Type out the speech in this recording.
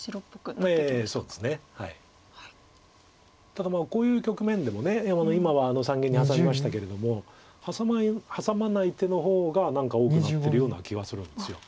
ただこういう局面でも今は三間にハサみましたけれどもハサまない手の方が多くなってるような気はするんです。